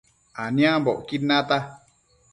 aniambocquid nata